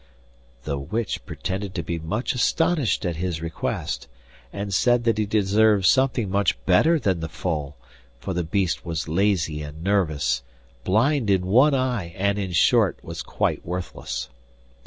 The witch pretended to be much astonished at his request, and said that he deserved something much better than the foal, for the beast was lazy and nervous, blind in one eye, and, in short, was quite worthless.